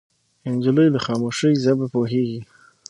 نجلۍ له خاموشۍ ژبه پوهېږي.